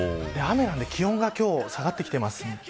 気温が今日下がってきています。